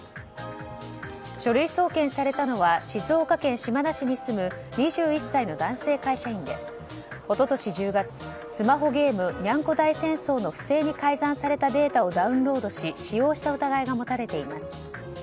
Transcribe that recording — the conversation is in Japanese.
書類送検されたのは静岡県島田市に住む２１歳の男性会社員で一昨年１０月、スマホゲーム「にゃんこ大戦争」の不正に改ざんされたデータをダウンロードし使用した疑いが持たれています。